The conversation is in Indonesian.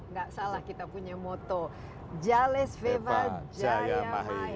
nggak salah kita punya moto jales veva jaya